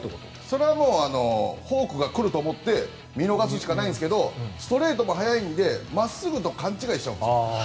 それはもうフォークが来ると思って見逃すしかないですがストレートも速いのでまっすぐと勘違いしちゃいます。